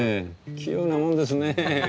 器用なもんですね。